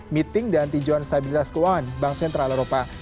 meeting dan tinjauan stabilitas keuangan bank sentral eropa